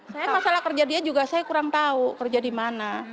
saya masalah kerja dia juga saya kurang tahu kerja di mana